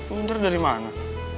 minder dari mana